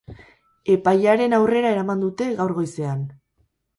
Epailearen aurrera eraman dute gaur goizean.